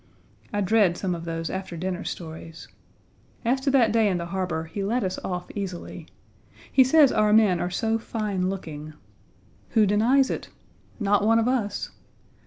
I dread some of those after dinner stories. As to Page 61 that day in the harbor, he let us off easily. He says our men are so fine looking. Who denies it? Not one of us.